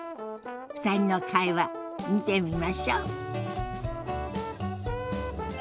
２人の会話見てみましょ。